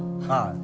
はい。